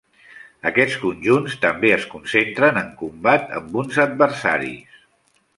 Aquests conjunts també es concentren en combat amb uns adversaris.